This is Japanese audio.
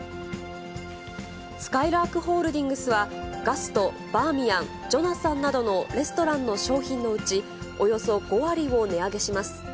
すかいらーくホールディングスは、ガスト、バーミヤン、ジョナサンなどのレストランの商品のうち、およそ５割を値上げします。